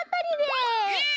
え